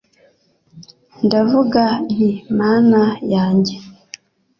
Ndavuga nti Mana yanjye